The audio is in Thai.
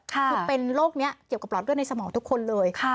คือเป็นโรคนี้เกี่ยวกับหลอดเลือดในสมองทุกคนเลย